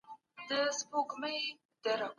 غالب یو لوی شاعر و.